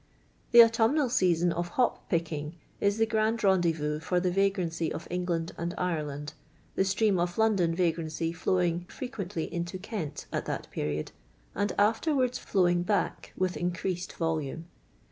The nutumnal season of hop picking is the grand rendezvous for the vagrancy of England and Ire land, the stream of London vagrancy flowing freely into Kent at that period, and afterwards flowing back with increased volume.